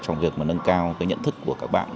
trong việc mà nâng cao cái nhận thức của các bạn